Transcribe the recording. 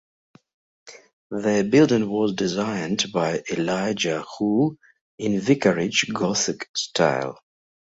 The building was designed by Elijah Hoole in vicarage-gothic style.